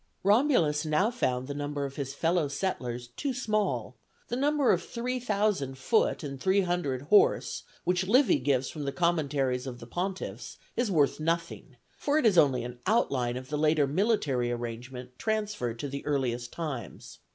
Romulus now found the number of his fellow settlers too small; the number of three thousand foot and three hundred horse, which Livy gives from the commentaries of the pontiffs, is worth nothing; for it is only an outline of the later military arrangement transferred to the earliest times.